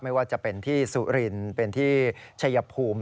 ไม่ว่าจะเป็นที่สุรินเป็นที่ชัยภูมิ